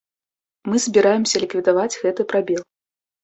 Мы збіраемся ліквідаваць гэты прабел.